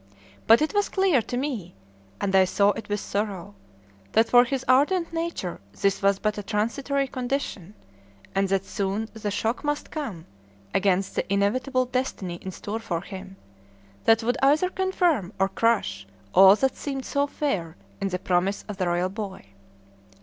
But it was clear to me and I saw it with sorrow that for his ardent nature this was but a transitory condition, and that soon the shock must come, against the inevitable destiny in store for him, that would either confirm or crush all that seemed so fair in the promise of the royal boy.